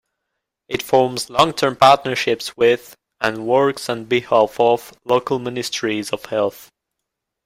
It forms long-term partnerships with, and works on behalf of, local ministries of health.